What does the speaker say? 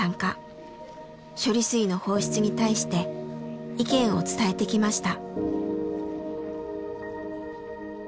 処理水の放出に対して意見を伝えてきました。